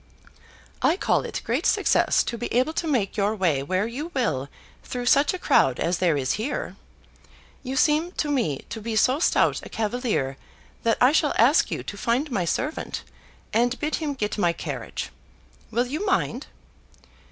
"I call it great success to be able to make your way where you will through such a crowd as there is here. You seem to me to be so stout a cavalier that I shall ask you to find my servant, and bid him get my carriage. Will you mind?"